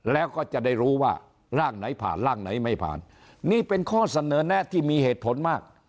แล้วก็จะได้รู้ว่าร่างไหนผ่านร่างไหนไม่ผ่านนี่เป็นข้อเสนอแนะที่มีเหตุผลมาก